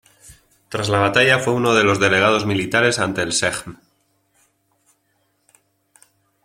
Tras la batalla fue uno de los delegados militares ante el Sejm.